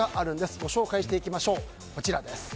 ご紹介していきましょう。